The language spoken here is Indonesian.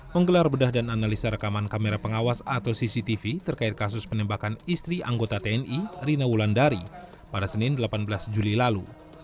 menggelar bedah dan analisa rekaman kamera pengawas atau cctv terkait kasus penembakan istri anggota tni rina wulandari pada senin delapan belas juli lalu